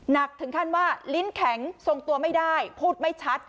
หนักถึงขั้นว่าลิ้นแข็งทรงตัวไม่ได้พูดไม่ชัด